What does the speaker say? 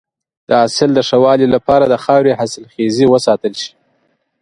د حاصل د ښه والي لپاره د خاورې حاصلخیزی وساتل شي.